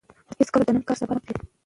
هېڅکله د نن کار سبا ته مه پرېږدئ.